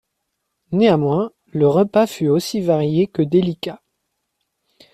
Néanmoins, le repas fut aussi varié que délicat.